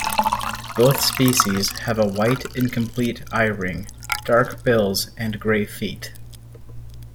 Both species have a white incomplete eye-ring, dark bills and grey feet.